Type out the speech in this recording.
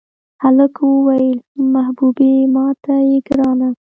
هلک ووې محبوبې ماته یې ګرانه.